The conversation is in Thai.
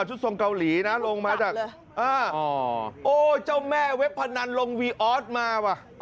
ทรงเกาหลีนะลงมาจากโอ้เจ้าแม่เว็บพนันลงวีออสมาว่ะ